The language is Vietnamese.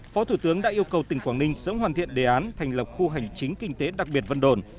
phó thủ tướng đã yêu cầu tỉnh quảng ninh sớm hoàn thiện đề án thành lập khu hành chính kinh tế đặc biệt vân đồn